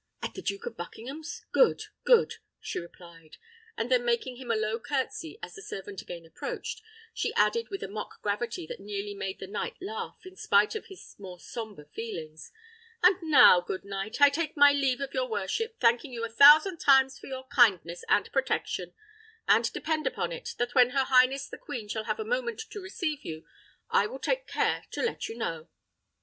"At the Duke of Buckingham's! Good, good!" she replied; and then making him a low curtsy as the servant again approached, she added with a mock gravity that nearly made the knight laugh, in spite of his more sombre feelings, "And now, good sir knight, I take my leave of your worship, thanking you a thousand times for your kindness and protection; and depend upon it, that when her highness the queen shall have a moment to receive you, I will take care to let you know."